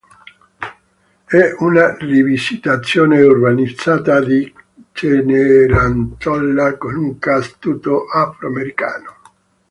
È una rivisitazione urbanizzata di Cenerentola con un cast tutto afro-americano.